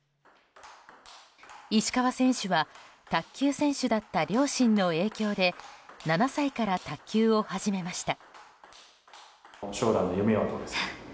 石川選手は卓球選手だった両親の影響で７歳から卓球を始めました。